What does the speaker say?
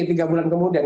tiga bulan kemudian